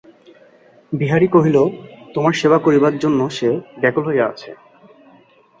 বিহারী কহিল, তোমার সেবা করিবার জন্য সে ব্যাকুল হইয়া আছে।